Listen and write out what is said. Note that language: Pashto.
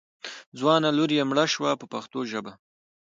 ځوانه لور یې مړه شوه په پښتو ژبه.